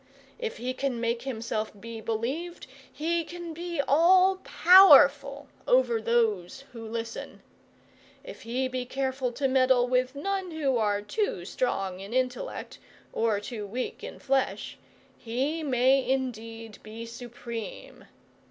If he can make himself be believed, he can be all powerful over those who listen. If he is careful to meddle with none who are too strong in intellect, or too weak in flesh, he may indeed be supreme.